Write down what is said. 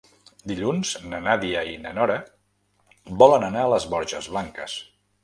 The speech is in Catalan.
Dilluns na Nàdia i na Nora volen anar a les Borges Blanques.